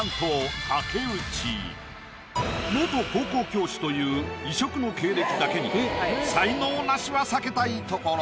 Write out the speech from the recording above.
元高校教師という異色の経歴だけに才能ナシは避けたいところ。